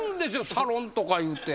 サロンとかいうて。